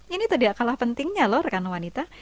ini tadi adalah pentingnya loh rekan wanita